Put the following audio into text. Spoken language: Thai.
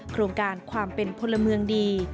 โครงการความเป็นพลเมืองดี